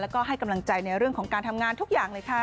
แล้วก็ให้กำลังใจในเรื่องของการทำงานทุกอย่างเลยค่ะ